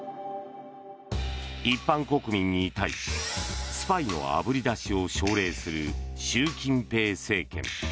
一般国民に対しスパイのあぶり出しを奨励する習近平政権。